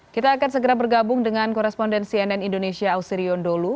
kita akan segera bergabung dengan koresponden cnn indonesia ausirion dholu